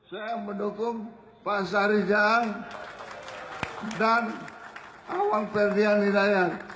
saya mendukung pak sari jahan dan awang ferdian lidahian